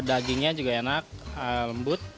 dagingnya juga enak lembut